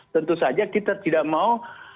tentu saja kita tidak mau